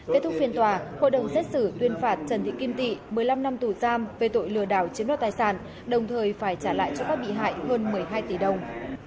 kết thúc phiên tòa hội đồng xét xử tuyên phạt trần thị kim tị một mươi năm năm tù giam về tội lừa đảo chiếm đoạt tài sản đồng thời phải trả lại cho các bị hại hơn một mươi hai tỷ đồng